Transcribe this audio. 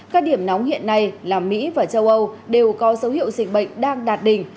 các điểm nóng hiện nay là mỹ và châu âu đều có dấu hiệu dịch bệnh đang đạt đỉnh